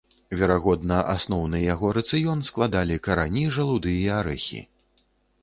Верагодна, асноўны яго рацыён складалі карані, жалуды і арэхі.